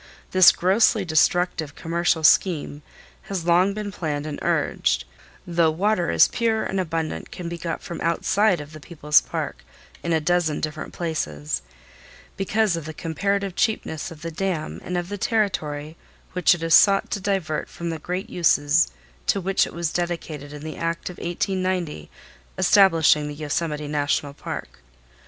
This grossly destructive commercial scheme has long been planned and urged (though water as pure and abundant can be got from outside of the people's park, in a dozen different places), because of the comparative cheapness of the dam and of the territory which it is sought to divert from the great uses to which it was dedicated in the Act of 1890 establishing the Yosemite National Park.